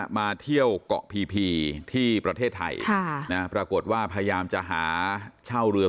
มาเที่ยวเกาะพีพีที่ประเทศไทยปรากฏว่าพยายามจะหาเช่าเรือ